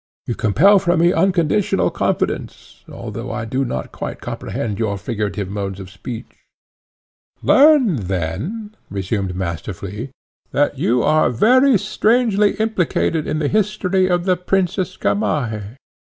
You compel from me unconditional confidence, although I do not quite comprehend your figurative modes of speech." "Learn then," resumed Master Flea, "that you are very strangely implicated in the history of the Princess Gamaheh.